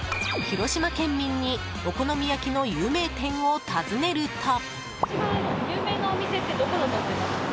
広島県民にお好み焼きの有名店を訪ねると。